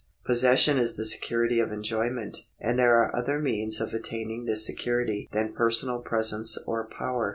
Possession is the security of enjoy ment, and there are other means of attaining this security than personal presence or power.